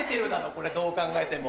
これどう考えても。